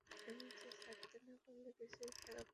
আমি যে ছাড়তে না পারলে কিছুতেই ছাড়া পাব না।